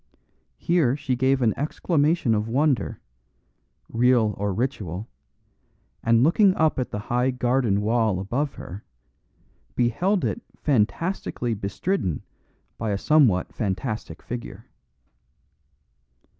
Here she gave an exclamation of wonder, real or ritual, and looking up at the high garden wall above her, beheld it fantastically bestridden by a somewhat fantastic figure.